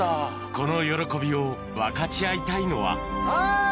この喜びを分かち合いたいのはおい！